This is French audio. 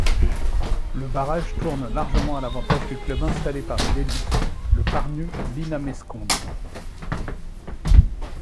Le barrage tourne largement à l'avantage du club installé parmi l'élite, le Pärnu Linnameeskond.